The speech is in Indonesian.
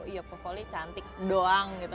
ya pokoknya cantik doang gitu